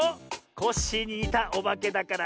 コッシーににたオバケだから。